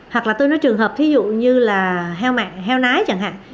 hoặc là tôi nói trường hợp ví dụ như là heo nái chẳng hạn